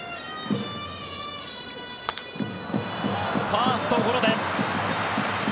ファーストゴロです。